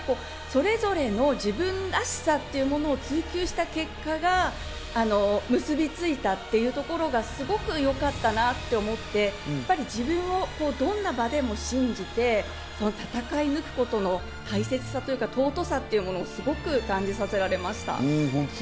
それぞれの自分らしさというものを追求した結果が結びついたっていうところがすごくよかったなと思って、自分をどんな場でも信じて戦い抜くことの大切さというか、尊さというものをすごく感じさせられました。